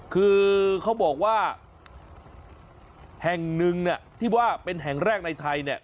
คือเขาบอกว่าแห่งหนึ่งที่ว่าเป็นแห่งแรกในไทย